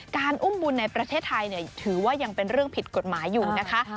อุ้มบุญในประเทศไทยถือว่ายังเป็นเรื่องผิดกฎหมายอยู่นะคะ